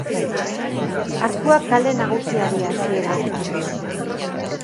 Arkuak Kale Nagusiari hasiera ematen dio.